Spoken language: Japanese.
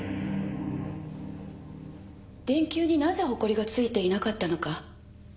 電球になぜほこりがついていなかったのか。